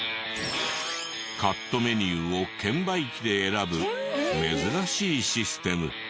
カットメニューを券売機で選ぶ珍しいシステム。